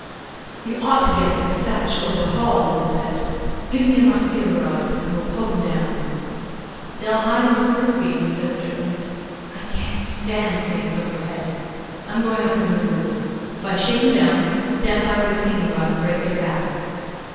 'You ought to get your thatch overhauled,' I said. 'Give me a mahseer rod, and we'll poke 'em down.' 'They'll hide among the roof beams,' said Strickland. 'I can't stand snakes overhead. I'm going up into the roof. If I shake 'em down, stand by with a cleaning rod and break their backs.